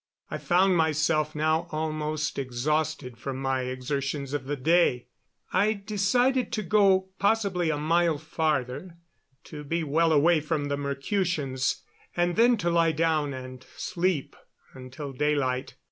I found myself now almost exhausted from my exertions of the day. I decided to go possibly a mile farther to be well away from the Mercutians and then to lie down and sleep until daylight.